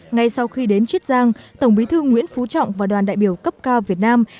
ngay sau khi đến chiết giang tổng bí thư nguyễn phú trọng và đoàn đại biểu cấp cao việt nam